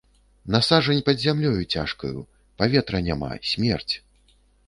На сажань пад зямлёю цяжкаю, паветра няма, смерць.